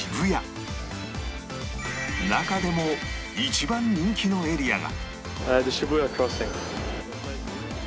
中でも一番人気のエリアが